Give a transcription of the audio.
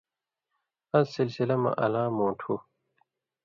اس سلسلہ مہ الاں مُوٹُھو